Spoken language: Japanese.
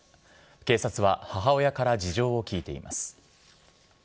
警察は母親から事情を聴いています。